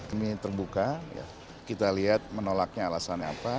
ini terbuka kita lihat menolaknya alasannya apa